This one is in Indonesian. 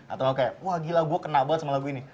atau kayak wah gila gue kena banget sama lagu ini